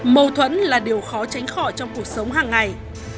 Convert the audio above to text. mâu thuẫn là điều khó tránh khỏi trong cuộc sống hàng ngày